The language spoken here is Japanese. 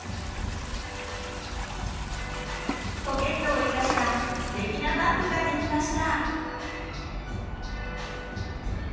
ポケットを生かしたステキなバッグができました！